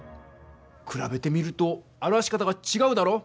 くらべてみると表し方がちがうだろう？